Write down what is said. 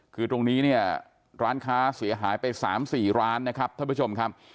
คือตรงนี้เนี่ยร้านค้าเสียหายไป๓๔ร้านนะครับท่านผู้ชมครับ